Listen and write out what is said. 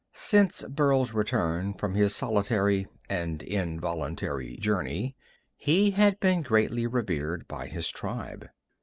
Since Burl's return from his solitary and involuntary journey, he had been greatly revered by his tribe.